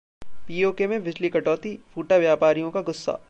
PoK में बिजली कटौती, फूटा व्यापारियों का गुस्सा